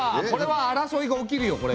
これは争いが起きるよ